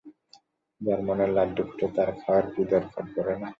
যার মনে লাড্ডু ফুটে তার খাওয়ার দরকার পরে না।